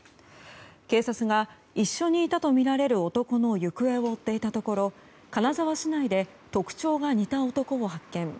警察が一緒にいたとみられる男の行方を追っていたところ金沢市内で特徴が似た男を発見。